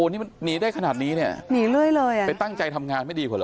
นี่มันหนีได้ขนาดนี้เนี่ยหนีเรื่อยเลยอ่ะไปตั้งใจทำงานไม่ดีกว่าเหรอ